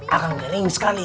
akan keringin sekali